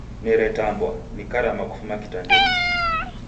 Neretambwa, nikarama kufuma kitandenyi!